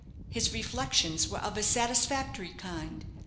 His reflections were of a satisfactory kind.